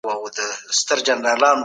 راتلونکي نسلونه قضاوت کوي.